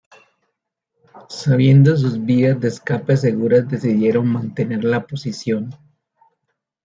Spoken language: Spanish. Sabiendo sus vías de escape seguras, decidieron mantener la posición.